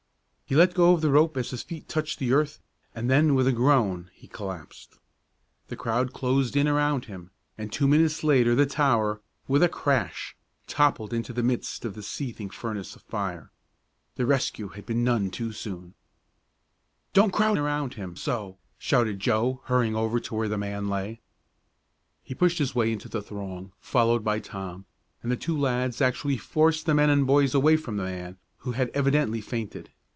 He let go the rope as his feet touched the earth and then with a groan he collapsed. The crowd closed in around him, and two minutes later the tower, with a crash, toppled into the midst of the seething furnace of fire. The rescue had been made none too soon. "Don't crowd around him so!" shouted Joe, hurrying over to where the man lay. He pushed his way into the throng, followed by Tom, and the two lads actually forced the men and boys away from the man, who had evidently fainted.